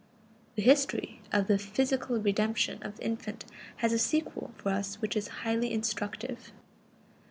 The history of the "physical redemption" of the infant has a sequel for us which is highly instructive.